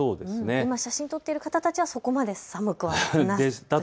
今、写真を撮っている方たちはそこまで寒くはないと？